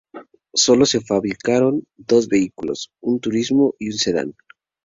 Sólo se fabricaron dos vehículos: un turismo y un sedán.